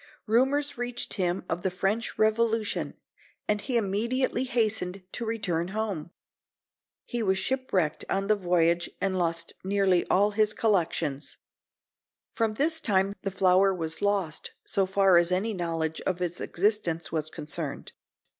Rumors reached him of the French Revolution, and he immediately hastened to return home. He was shipwrecked on the voyage and lost nearly all his collections. From this time the flower was lost, so far as any knowledge of its existence was concerned.